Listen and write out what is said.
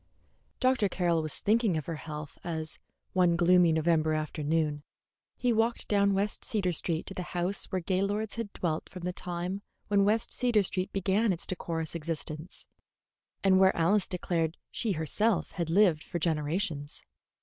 Dr. Carroll was thinking of her health as, one gloomy November afternoon, he walked down West Cedar Street to the house where Gaylords had dwelt from the time when West Cedar Street began its decorous existence, and where Alice declared she had herself lived for generations.